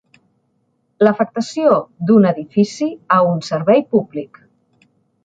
L'afectació d'un edifici a un servei públic.